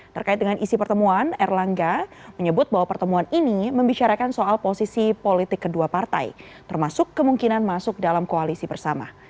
terkait dengan isi pertemuan erlangga menyebut bahwa pertemuan ini membicarakan soal posisi politik kedua partai termasuk kemungkinan masuk dalam koalisi bersama